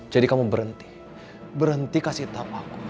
jadi kamu berhenti berhenti kasih tau aku